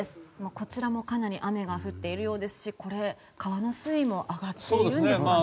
こちらもかなり雨が降っているようですし川の水位も上がっているんですかね。